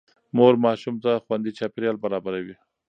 مور ماشوم ته خوندي چاپېريال برابروي.